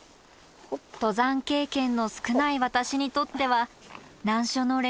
登山経験の少ない私にとっては難所の連続です